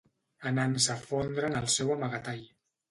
...anant-se a fondre en el seu amagatall.